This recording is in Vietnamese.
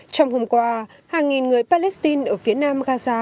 trong hôm qua hàng nghìn người palestine ở phía nam gaza